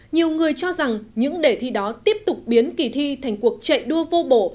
nhiều người cho rằng những đề thi đó tiếp tục biến kỳ thi thành cuộc chạy đua vô bổ